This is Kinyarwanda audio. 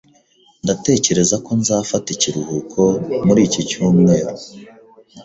Ndatekereza ko nzafata ikiruhuko muri iki cyumweru